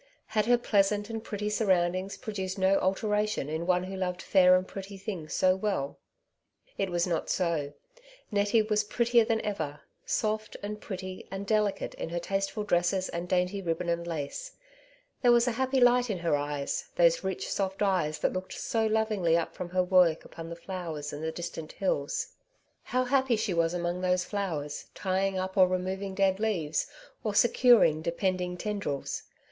Had her pleasant and pretty surroundings produced no alteration in one who loved fair and pretty things so well ? It was not so ; Nettie was prettier than ever — soft, and pretty, and delicate in her tasteful dresses and dainty ribbon and lace. There was a happy light in her eyes, those rich soft eyes that looked so loviugly up from her work upon the flowers and the distant hills. How happy she was among those flowers, tying up or removing dead leaves or secur ing depending tendrils.